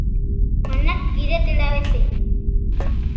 منک گھِري تيڙاوي سي